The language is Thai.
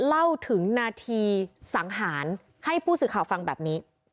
เล่าถึงนาทีสังหารให้ผู้สื่อข่าวฟังแบบนี้